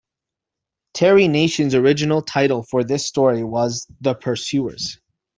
Terry Nation's original title for this story was "The Pursuers".